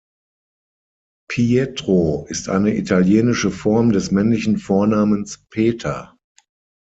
Pietro ist eine italienische Form des männlichen Vornamens Peter.